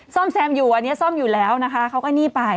ซ่อมแซมอยู่อันนี้ซ่อมอยู่แล้วนะคะเขาก็นี่ไป